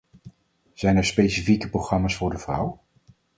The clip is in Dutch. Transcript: Zijn er specifieke programma's voor de vrouw?